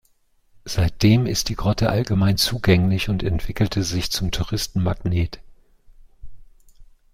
Seitdem ist die Grotte allgemein zugänglich und entwickelte sich zum Touristenmagnet.